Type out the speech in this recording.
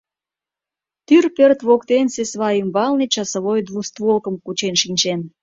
Тӱр пӧрт воктенсе свай ӱмбалне часовой двустволкым кучен шинчен.